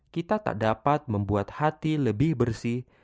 kita tak dapat membuat hati lebih bersih